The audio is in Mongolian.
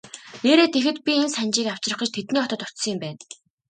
Нээрээ тэгэхэд би энэ Санжийг авчрах гэж тэдний хотод очсон юм байна.